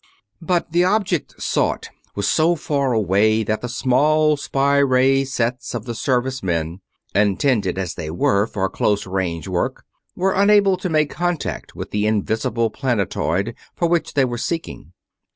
But the object sought was so far away that the small spy ray sets of the Service men, intended as they were for close range work, were unable to make contact with the invisible planetoid for which they were seeking.